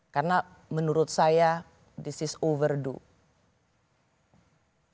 karena menurut saya ini sudah terlalu lama